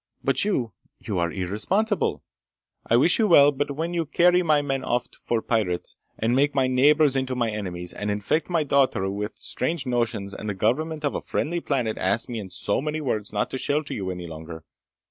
But you ... you are irresponsible! I wish you well, but when you carry my men off for pirates, and make my neighbors into my enemies, and infect my daughter with strange notions and the government of a friendly planet asks me in so many words not to shelter you any longer